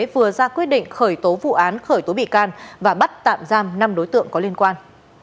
vừa ra quyết định khởi tố vụ án khởi tố bị can và bắt tạm giam năm đối tượng có liên quan